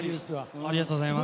ありがとうございます。